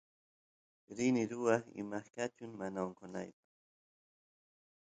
rini ruwaq imaqkachun mana onqonaypaq